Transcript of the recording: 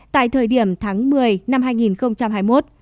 tại thời điểm tháng một mươi năm hai nghìn hai mươi một